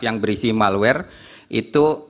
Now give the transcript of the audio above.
yang berisi malware itu